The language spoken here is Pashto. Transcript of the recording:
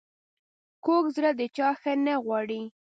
کوږ زړه د چا ښه نه غواړي